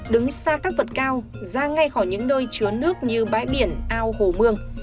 đứng xa các vật cao ra ngay khỏi những nơi chứa nước như bãi biển ao hồ mương